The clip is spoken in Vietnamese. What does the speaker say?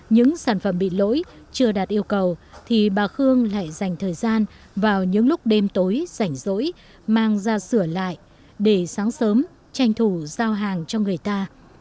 những sản phẩm bị lỗi chưa đạt yêu cầu thì bà khương lại dành thời gian vào những lúc đêm tối rảnh rỗi mang ra sửa lại để sáng sớm tranh thủ giao hàng cho người ta